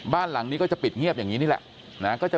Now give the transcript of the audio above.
บ้านหลังนี้ก็จะปิดเงียบอย่างนี้นี่แหละ